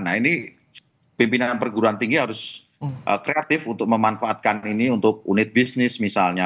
nah ini pimpinan perguruan tinggi harus kreatif untuk memanfaatkan ini untuk unit bisnis misalnya